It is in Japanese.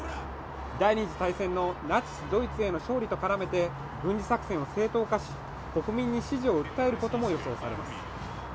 第２次大戦のナチスドイツへの勝利と絡めて軍事作戦を正当化し国民に支持を訴えることも予想されます